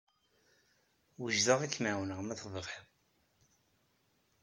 Wejdeɣ ad kem-ɛawneɣ ma tebɣiḍ.